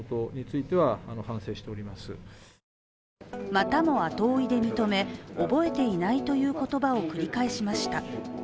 またも後追いで認め「覚えていない」という言葉を繰り返しました。